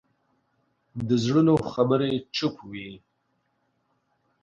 د زړونو خبرې چوپ وي